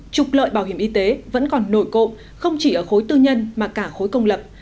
trục lợi bảo hiểm y tế vẫn còn nổi cộng không chỉ ở khối tư nhân mà cả khối công lập